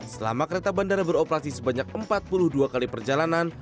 selama kereta bandara beroperasi sebanyak empat puluh dua kali perjalanan